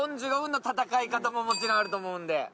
４５分の戦い方ももちろんあると思うんで。